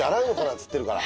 っつってるから。